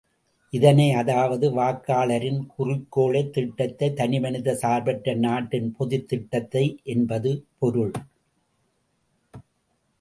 இதனை அதாவது வாக்காளர்களின் குறிக்கோளை திட்டத்தை தனிமனிதச் சார்பற்ற நாட்டின் பொதுத் திட்டத்தை என்பது பொருள்.